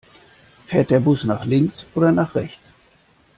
Fährt der Bus nach links oder nach rechts?